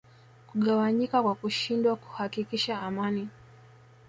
kugawanyika kwa kushindwa kuhakikisha amani